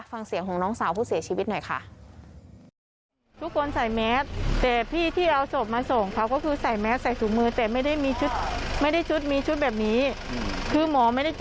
ฟังเสียงของน้องสาวผู้เสียชีวิตหน่อยค่ะ